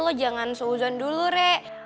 lo jangan suuzon dulu rek